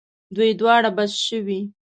دوی دواړو بس شوې.